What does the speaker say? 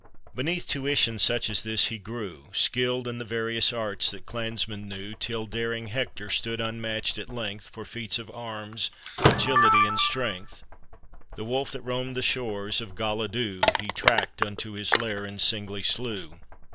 Heneath tuition such as this he grew, Skilled in the various arts the clansmen knew. Till daring Hector stood unmatched at length. For feats of arms, agility, and strength. The wolf that roamed the shores of Golla Dhu. He tracked unto his lair and singly slew.